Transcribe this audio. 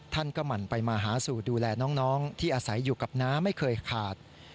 ท่านก็หมั่นไปมาหาสู่ดูแลน้องที่อาศัยอยู่กับน้าไม่เคยขาด